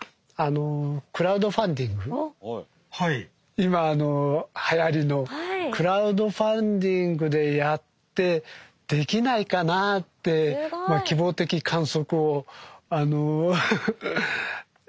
今はやりのクラウドファンディングでやってできないかなってまあ希望的観測を。